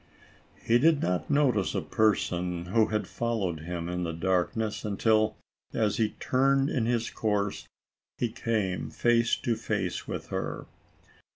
He did not notice a person, who had followed him, in the darkness, until, as he turned in his course, he came face to face with her.